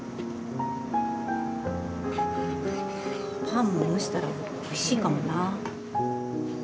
パンも蒸したら、おいしいかもな。